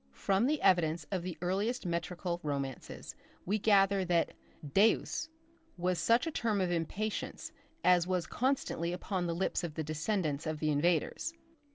From the evidence of the earliest metrical romances we gather that Deus! was such a term of impatience as was constantly upon the lips of the descendants of the invaders.